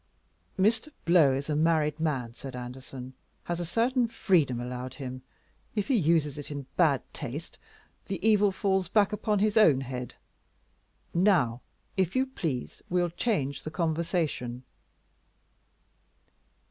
"Mr. Blow, as a married man," said Anderson, "has a certain freedom allowed him. If he uses it in bad taste, the evil falls back upon his own head. Now, if you please, we'll change the conversation."